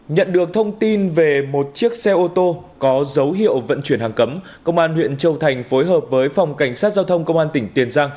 nhận được thông tin về một chiếc xe ô tô có dấu hiệu vận chuyển hàng cấm công an huyện châu thành phối hợp với phòng cảnh sát giao thông công an tỉnh tiền giang